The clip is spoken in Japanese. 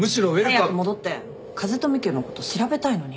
早く戻って風富家のこと調べたいのに。